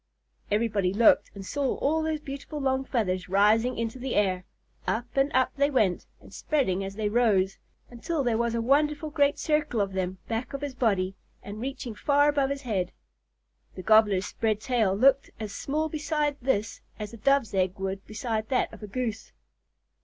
Everybody looked and saw all those beautiful long feathers rising into the air. Up and up they went, and spreading as they rose, until there was a wonderful great circle of them back of his body and reaching far above his head. The Gobbler's spread tail looked as small beside this as a Dove's egg would beside that of a Goose.